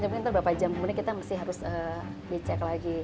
cuma nanti berapa jam kemudian kita harus dicek lagi